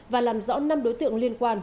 và làm rõ năm đối tượng liên quan